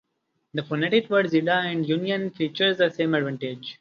The phonetic words "Ida" and "Union" feature this same advantage.